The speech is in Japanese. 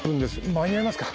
間に合いますか？